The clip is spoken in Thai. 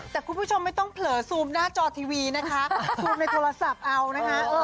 แต่คุณผู้ชมไม่ต้องเผลอซูมหน้าจอทีวีนะคะซูมในโทรศัพท์เอานะคะ